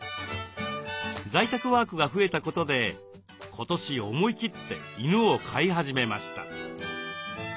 在宅ワークが増えたことで今年思い切って犬を飼い始めました。